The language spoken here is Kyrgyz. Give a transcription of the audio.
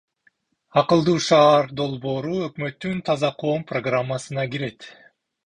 Акылдуу шаар долбоору өкмөттүн Таза коом программасына кирет.